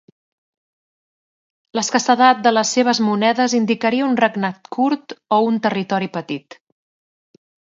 L'escassedat de les seves monedes indicaria un regnat curt o un territori petit.